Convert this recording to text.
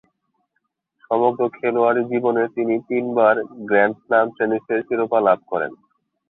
সমগ্র খেলোয়াড়ী জীবনে তিনি তিনবার গ্র্যান্ড স্ল্যাম টেনিসের শিরোপা লাভ করেন।